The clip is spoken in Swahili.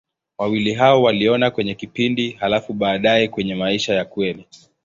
Wawili hao waliona kwenye kipindi, halafu baadaye kwenye maisha ya kweli.